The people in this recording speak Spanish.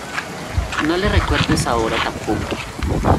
no le recuerdes ahora tampoco.